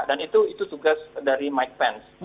dan itu tugas dari mike pence